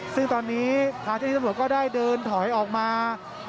ซึ่งตอนนี้ทางเจ้าที่ตำรวจก็ได้เดินถอยออกมา